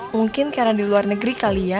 mungkin karena di luar negeri kali ya